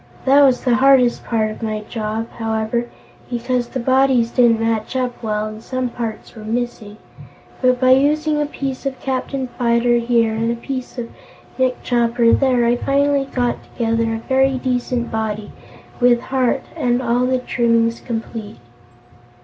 That was the hardest part of my job, however, because the bodies didn't match up well and some parts were missing. But by using a piece of Captain Fyter here and a piece of Nick Chopper there, I finally got together a very decent body, with heart and all the trimmings complete."